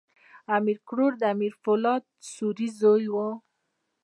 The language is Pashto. امیر کروړ د امیر پولاد سوري زوی وو.